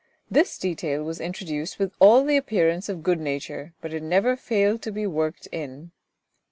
This detail was introduced with all the appearance of good nature but it never failed to be worked in.